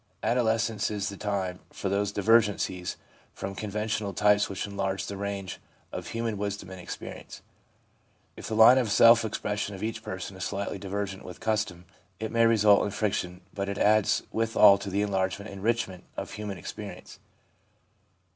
Adolescence is the time for those divergencies from conventional types which enlarge the range of human wisdom and experience. If the line of self expression of each person is slightly divergent with custom, it may result in friction, but it adds withal to the enlargement and enrichment of human experience.